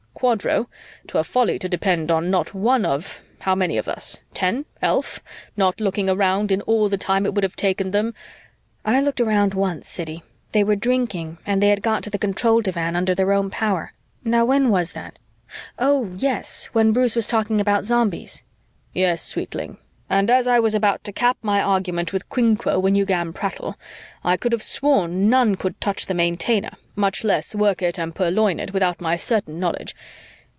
Quadro, 'twere folly to depend on not one of how many of us? ten, elf not looking around in all the time it would have taken them " "I looked around once, Siddy. They were drinking and they had got to the control divan under their own power. Now when was that? Oh, yes, when Bruce was talking about Zombies." "Yes, sweetling. And as I was about to cap my argument with quinquo when you 'gan prattle, I could have sworn none could touch the Maintainer, much less work it and purloin it, without my certain knowledge.